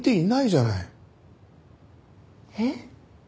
えっ？